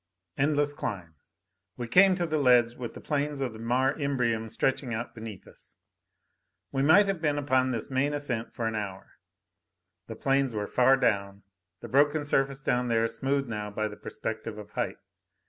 Endless climb. We came to the ledge with the plains of the Mare Imbrium stretching out beneath us. We might have been upon this main ascent for an hour; the plains were far down, the broken surface down there smoothed now by the perspective of height.